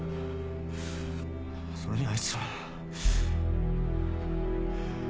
それにあいつら。